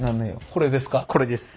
これです。